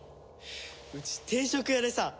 うち定食屋でさ。